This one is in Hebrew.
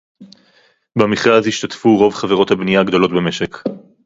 במכרז השתתפו רוב חברות הבנייה הגדולות במשק